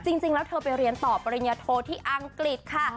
จริงแล้วเธอไปเรียนต่อปริญญาโทที่อังกฤษค่ะ